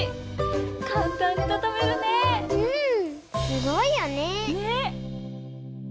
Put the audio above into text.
すごいよね。ね。